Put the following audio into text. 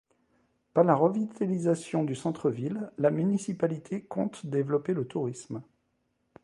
Par la revitalisation du centre-ville, la municipalité compte développer le tourisme.